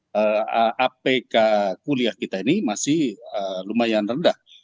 karena apk kuliah kita ini masih lumayan rendah